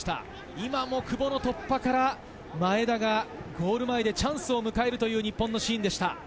今の久保の突破から前田がゴールの前でチャンスを迎えるシーンでした。